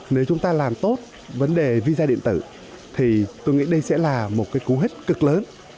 nếu chúng ta làm tốt vấn đề visa điện tử thì tôi nghĩ đây sẽ là một cú hích cực lớn